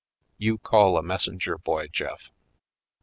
You call a messenger boy, Jeff."